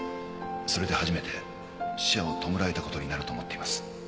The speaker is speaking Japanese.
それで初めて死者を弔えた事になると思っています。